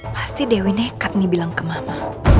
pasti dewi nekat nih bilang ke mama